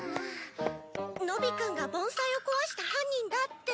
野比くんが盆栽を壊した犯人だって。